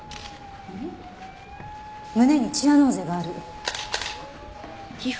胸にチアノーゼがある。